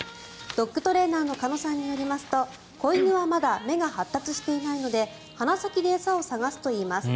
ドッグトレーナーの鹿野さんによりますと子犬はまだ目が発達していないので鼻先で餌を探すといいます。